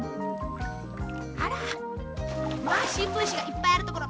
あらまあしんぶんしがいっぱいあるところ。